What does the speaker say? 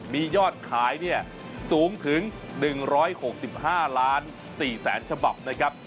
มียอดขายเนี่ยสูงถึงหนึ่งร้อยหกสิบห้าล้านสี่แสนฉบับนะครับ